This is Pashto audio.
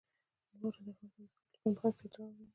واوره د افغانستان د تکنالوژۍ پرمختګ سره تړاو لري.